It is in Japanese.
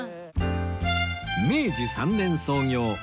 明治３年創業